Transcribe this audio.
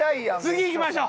次行きましょう。